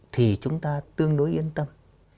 thì chúng ta tương đối yên tâm